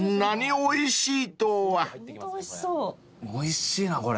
おいしいなこれ。